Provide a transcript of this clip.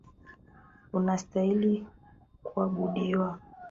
Unastahili kuabudiwa.